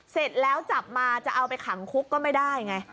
เสร็จแล้วจับมาจะเอาไปขังคุกก็ไม่ได้ไง